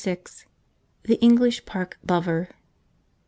The English Park Lover.